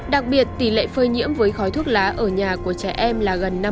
đặc biệt tỷ lệ phơi nhiễm với khói thuốc lá ở nhà của trẻ em là gần năm mươi